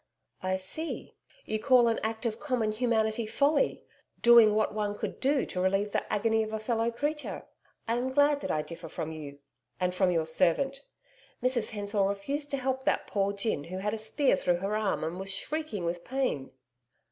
'I see. You call an act of common humanity folly doing what one could to relieve the agony of a fellow creature. I am glad that I differ from you and from your servant. Mrs Hensor refused to help that poor gin who had a spear through her arm and was shrieking with pain.'